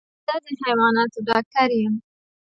زه د حيواناتو ډاکټر يم.